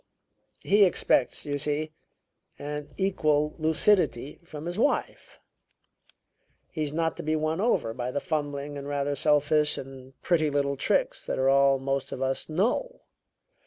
He expects, you see, an equal lucidity from his wife. He's not to be won over by the fumbling and rather selfish and pretty little tricks that are all most of us know.